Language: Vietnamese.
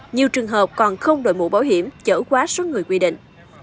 nhiều trường hợp còn không đổi mũ bảo hiểm chở quá số người quy định